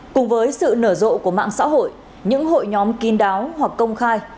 cùng với sự nở rộ của mạng xã hội những hội nhóm kín đáo hoặc công khai